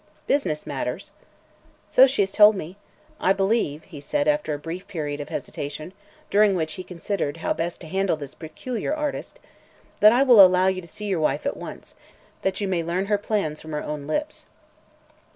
"Business matters?" "So she has told me. I believe," he said, after a brief period of hesitation, during which he considered how best to handle this peculiar artist, "that I will allow you to see your wife at once, that you may learn her plans from her own lips."